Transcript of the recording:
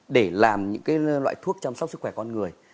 để làm những loại thuốc chăm sóc sức khỏe con người